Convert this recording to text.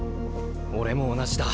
俺も同じだ。